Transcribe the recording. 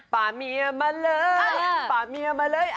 ป่ามียมาเลย